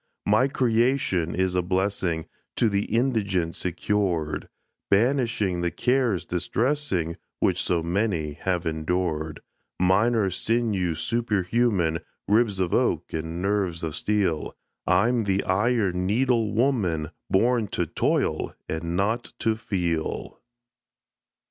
My creation is a blessing To the indigent secured, Banishing the cares distressing Which so many have endured: Mine are sinews superhuman, Ribs of oak and nerves of steel I'm the Iron Needle Woman Born to toil and not to feel.